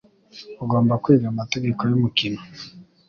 Ugomba kwiga amategeko yumukino.